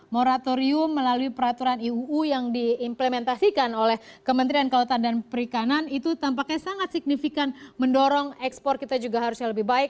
moratorium melalui peraturan iuu yang diimplementasikan oleh kementerian kelautan dan perikanan itu tampaknya sangat signifikan mendorong ekspor kita juga harusnya lebih baik